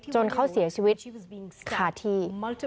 จนเขาเสียชีวิตขาดที่